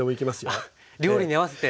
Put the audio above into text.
料理に合わせて。